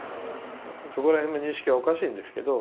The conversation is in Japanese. そこら辺の認識はおかしいんですけど。